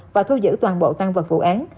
và thu giữ toàn bộ tăng vật vụ án